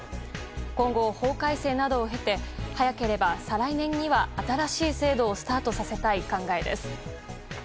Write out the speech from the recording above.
今後、法改正などを経て早ければ再来年には新しい制度をスタートさせたい考えです。